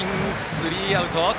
スリーアウト。